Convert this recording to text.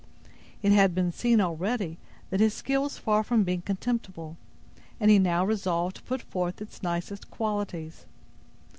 It had been seen, already, that his skill was far from being contemptible, and he now resolved to put forth its nicest qualities.